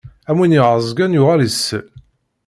Am win iɛuẓẓgen yuɣal isell.